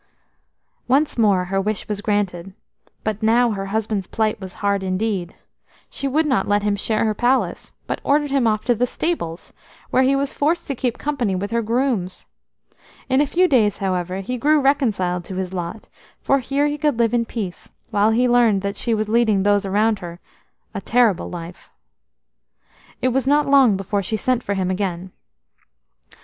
Once more her wish was granted, but now her husband's plight was hard indeed. She would not let him share her palace, but ordered him off to the stables, where he was forced to keep company with her grooms. In a few days, however, he grew reconciled to his lot, for here he could live in peace, while he learned that she was leading those around her a terrible life. It was not long before she sent for him again.